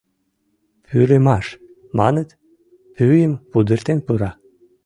Пӱрымаш, маныт, пӱйым пудыртен пура.